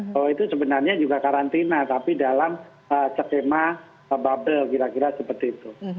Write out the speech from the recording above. bahwa itu sebenarnya juga karantina tapi dalam skema bubble kira kira seperti itu